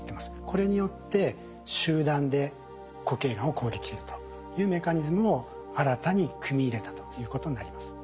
これによって集団で固形がんを攻撃するというメカニズムを新たに組み入れたということになります。